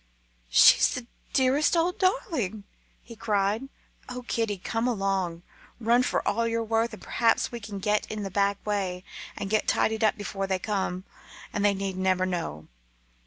"She's the dearest old darling!" he cried. "Oh! kiddie, come along; run for all you're worth, and perhaps we can get in the back way, and get tidied up before they come, and they need never know."